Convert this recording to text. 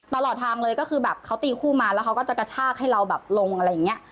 ตลอดทางเลยก็คือแบบเขาตีคู่มาแล้วเขาก็จะกระชากให้เราแบบลงอะไรอย่างนี้